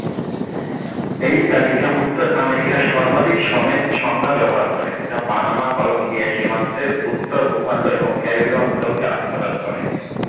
এই তালিকা উত্তর আমেরিকার সর্বাধিক সমেত সংজ্ঞা ব্যবহার করে, যা পানামা-কলম্বিয়া সীমান্তের উত্তরের ভূখণ্ড এবং ক্যারিবীয় অঞ্চলকে আচ্ছাদন করে।